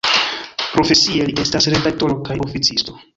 Profesie li estas redaktoro kaj oficisto.